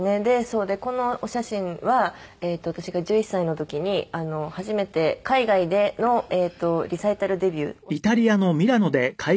そうこのお写真は私が１１歳の時に初めて海外でのリサイタルデビューをしたのが１１歳で。